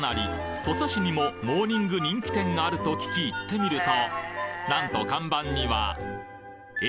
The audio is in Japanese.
土佐市にもモーニング人気店があると聞き行ってみるとなんと看板にはえ？